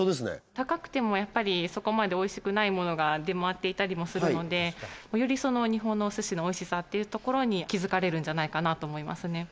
高くてもやっぱりそこまでおいしくないものが出回っていたりもするのでより日本のお寿司のおいしさっていうところに気づかれるんじゃないかなと思いますね